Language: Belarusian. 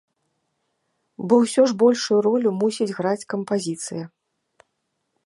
Бо ўсё ж большую ролю мусіць граць кампазіцыя.